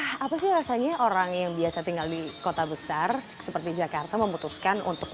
nah apa sih rasanya orang yang biasa tinggal di kota besar seperti jakarta memutuskan untuk